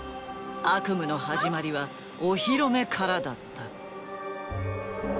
悪夢の始まりはお披露目からだった。